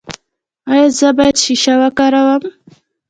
ایا زه باید شیشه وکاروم؟